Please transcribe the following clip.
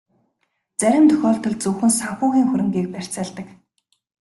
Зарим тохиолдолд зөвхөн санхүүгийн хөрөнгийг барьцаалдаг.